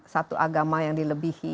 satu agama yang dilebihi